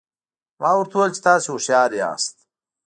ما ورته وویل چې تاسي هوښیار یاست.